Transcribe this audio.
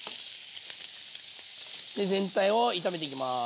で全体を炒めていきます。